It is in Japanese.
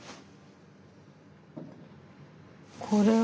これは？